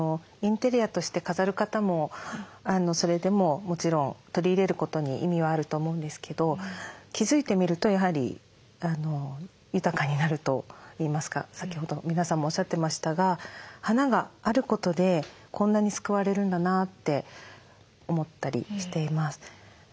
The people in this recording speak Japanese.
インテリアとして飾る方もそれでももちろん取り入れることに意味はあると思うんですけど気付いてみるとやはり豊かになるといいますか先ほど皆さんもおっしゃってましたが花があることでこんなに救われるんだなって思ったりしています。